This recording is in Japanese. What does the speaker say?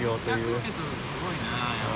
４００ｍすごいなぁ。